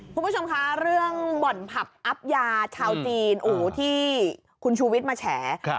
คุณผู้ชมคะเรื่องบ่อนผับอับยาชาวจีนที่คุณชูวิทย์มาแฉ